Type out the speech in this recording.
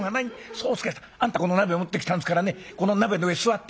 宗助さんあんたこの鍋を持ってきたんですからねこの鍋の上に座って」。